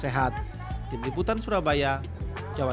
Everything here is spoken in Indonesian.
sehingga lansia bisa berpulih secara sehat